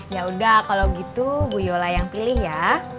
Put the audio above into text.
ya udah kalau gitu bu yola yang pilih ya